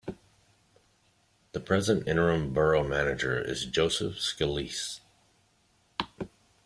The present interim Borough manager is Joseph Scalise.